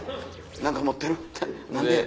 何か持ってる何でや？